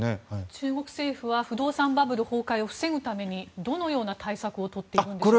中国政府は不動産バブル崩壊を防ぐためにどのような対策をとっているんでしょうか。